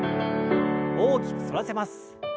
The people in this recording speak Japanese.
大きく反らせます。